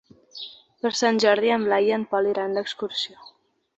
Per Sant Jordi en Blai i en Pol iran d'excursió.